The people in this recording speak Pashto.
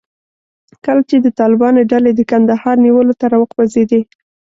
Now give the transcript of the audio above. کله چې د طالبانو ډلې د کندهار نیولو ته راوخوځېدې.